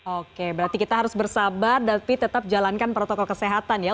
oke berarti kita harus bersabar tapi tetap jalankan protokol kesehatan ya